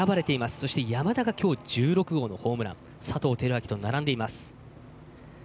そして山田は１６号のホームラン佐藤輝明と並んでいます。